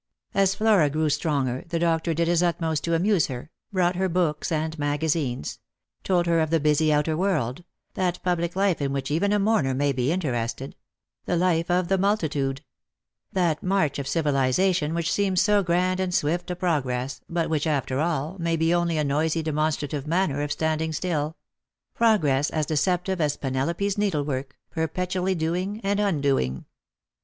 As Flora grew stronger the doctor did his utmost to amuse her : brought her books and magazines ; told her of the busy outer world — that public life in which even a mourner may be interested — the life of the multitude; that march of civilization which seems so grand and swift a progress, but which, after all, may be only a noisy demonstrative manner of standing still — progress as deceptive as Penelope's needlework, perpetually doing and un doing.